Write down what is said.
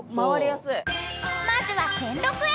［まずは兼六園］